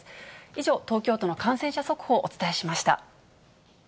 以上、東京都の感染者速報、お伝えしました。